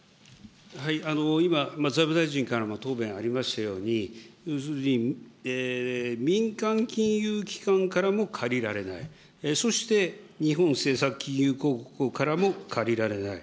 今、財務大臣からも答弁ありましたように、要するに民間金融機関からも借りられない、そして日本政策金融公庫からも借りられない。